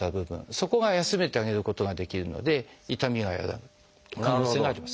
そこが休めてあげることができるので痛みが和らぐ可能性があります。